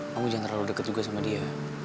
kamu jangan terlalu dekat juga sama dia